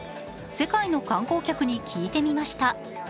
世界の観光客に聞いてみました。